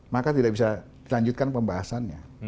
maka tidak bisa dilanjutkan pembahasannya